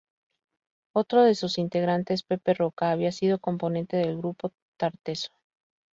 Otro de sus integrantes, Pepe Roca, había sido componente del grupo Tartessos.